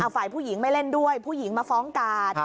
ฝ่ายผู้หญิงไม่เล่นด้วยผู้หญิงมาฟ้องกาด